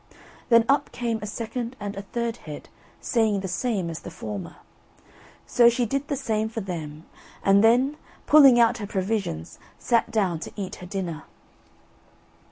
Then up came a second and a third head, saying the same as the former. So she did the same for them, and then, pulling out her provisions, sat down to eat her dinner.